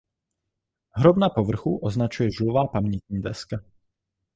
Hrob na povrchu označuje žulová pamětní deska.